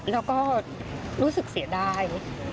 แล้วก็รู้สึกเสียดาย